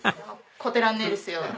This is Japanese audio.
こてらんねえですよ。